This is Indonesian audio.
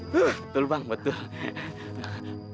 betul bang betul